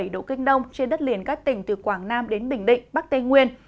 một trăm linh bảy bảy độ kinh đông trên đất liền các tỉnh từ quảng nam đến bình định bắc tây nguyên